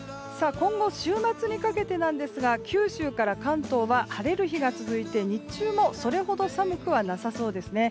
今後、週末にかけてですが九州から関東は晴れる日が続いて日中もそれほど寒くはなさそうですね。